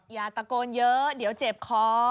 อย่าตะโกนเยอะเดี๋ยวเจ็บคอ